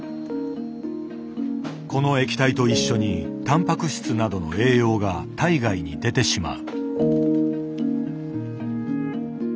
この液体と一緒にタンパク質などの栄養が体外に出てしまう。